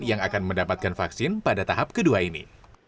yang akan mendapatkan vaksin pada tahap kedua ini